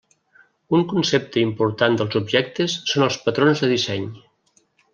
Un concepte important dels objectes són els patrons de disseny.